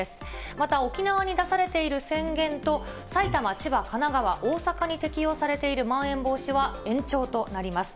また沖縄に出されている宣言と埼玉、千葉、神奈川、大阪に適用されているまん延防止は延長となります。